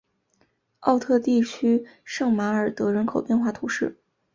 奥特地区圣马尔德人口变化图示